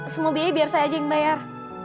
semua beli biar saya aja yang bayar